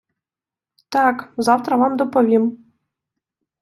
Так, завтра вам доповім!